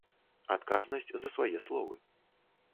Адказнасць за свае словы.